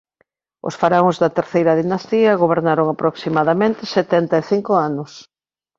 Os faraóns da Terceira Dinastía gobernaron aproximadamente setenta e cinco anos.